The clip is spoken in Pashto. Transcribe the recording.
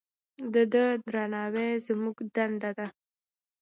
د ده درناوی زموږ دنده ده.